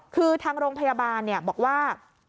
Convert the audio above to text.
คือทางโรงพยาบาลบอกว่า